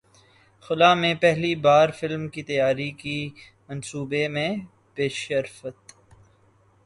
خلا میں پہلی بار فلم کی تیاری کے منصوبے میں پیشرفت